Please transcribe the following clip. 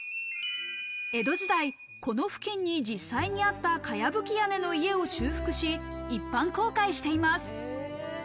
江戸時代、この付近に実際にあった茅葺屋根の家を修復し、一般公開しています。